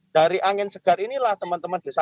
dari angin segar inilah teman teman desa